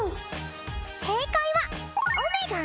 正解は。